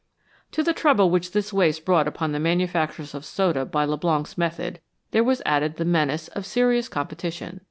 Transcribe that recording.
To the trouble which this waste brought upon the manufacturers of soda by Leblanc's method there was added the menace of serious competition.